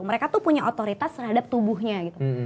mereka tuh punya otoritas terhadap tubuhnya gitu